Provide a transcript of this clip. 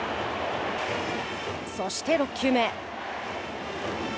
そして６球目。